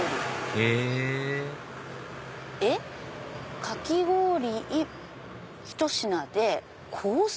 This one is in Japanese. へぇえっ⁉「かき氷１品でコース